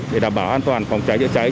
để đảm bảo an toàn phòng cháy chữa cháy